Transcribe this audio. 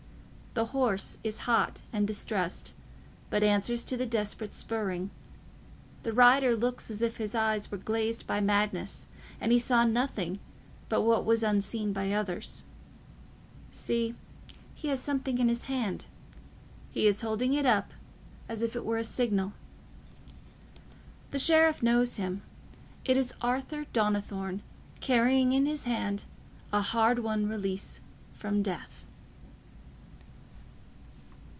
The horse is hot and distressed, but answers to the desperate spurring; the rider looks as if his eyes were glazed by madness, and he saw nothing but what was unseen by others. See, he has something in his hand—he is holding it up as if it were a signal. The Sheriff knows him: it is Arthur Donnithorne, carrying in his hand a hard won release from death.